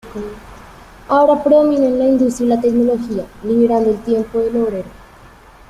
Ahora predominan la industria y la tecnología, liberando el tiempo del obrero.